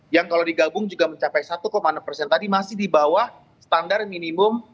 yang kalau digabung juga mencapai satu enam persen tadi masih di bawah standar minimum